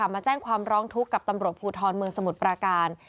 มาแจ้งความร้องทุกข์กับตำรวจภูทรเมืองสมุทรปราการ